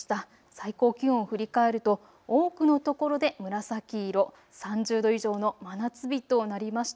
最高気温を振り返ると多くのところで紫色、３０度以上の真夏日となりました。